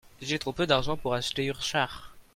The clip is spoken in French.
J'ai trop peu d'argent pour acheter ur c'harr.